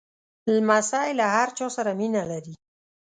لمسی له هر چا سره مینه لري.